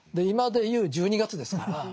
今でいう１２月ですから。